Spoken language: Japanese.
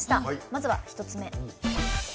まずは１つ目。